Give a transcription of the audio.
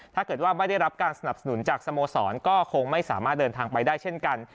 ถ้าเกิดว่าไม่ได้รับการสนับสนุนจากสโมสรก็คงไม่สามารถเดินทางไปได้เช่นกัน